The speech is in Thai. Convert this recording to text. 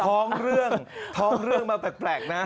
ท้องเรื่องท้องเรื่องมาแปลกนะ